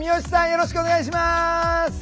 よろしくお願いします。